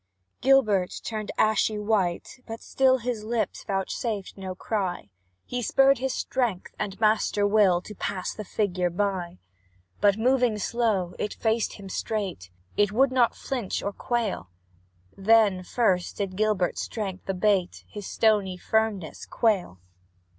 Gilbert turned ashy white, but still His lips vouchsafed no cry; He spurred his strength and master will To pass the figure by, But, moving slow, it faced him straight, It would not flinch nor quail: Then first did Gilbert's strength abate, His stony firmness quail.